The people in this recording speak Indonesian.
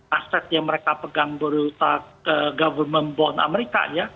aset yang mereka pegang berupa government bond amerika ya